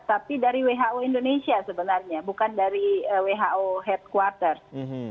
tapi dari who indonesia sebenarnya bukan dari who headquarters